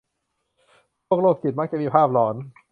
พวกโรคจิตมักจะมีภาพหลอน